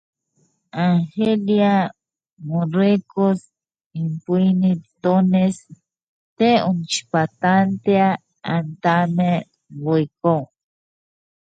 Argelia, Marruecos y Túnez no forman parte del boicot.